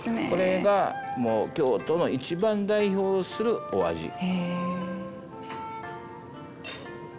これがもう京都の一番代表するお味。